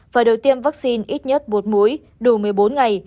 phải được tiêm vaccine ít nhất một mũi đủ một mươi bốn ngày